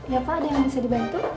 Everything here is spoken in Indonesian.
ya pak ada yang bisa dibantu